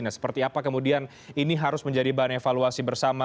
nah seperti apa kemudian ini harus menjadi bahan evaluasi bersama